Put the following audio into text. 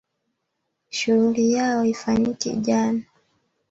Shuhuli yao ifanyiki jana